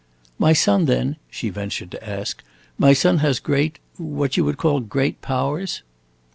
"My son, then," she ventured to ask, "my son has great what you would call great powers?"